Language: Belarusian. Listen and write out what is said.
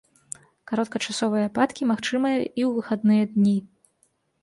Кароткачасовыя ападкі магчымыя і ў выхадныя дні.